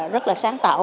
rất là sáng tạo